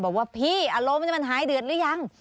บอกว่าพี่อารมณ์นี่มันหายเดือดหรือยัง